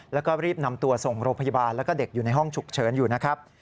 แล้วก็รีบนำตัวส่งโรงพยาบาลแล้วก็เด็กอยู่ในห้องฉุกเฉินอยู่นะครับ